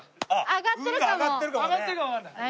上がってるかもわかんない。